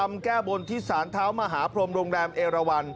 รำแก้บนที่สานเท้ามหาพรมโรงแรมเอรวรรม